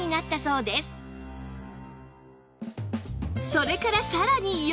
それからさらに４年